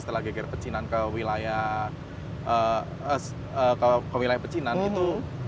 ke wilayah pecinaan itu